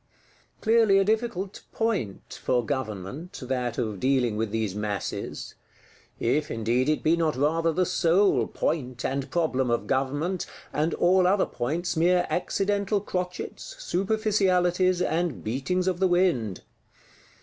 Clearly a difficult "point" for Government, that of dealing with these masses;—if indeed it be not rather the sole point and problem of Government, and all other points mere accidental crotchets, superficialities, and beatings of the wind!